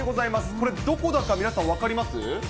これ、どこだか皆さん分かります？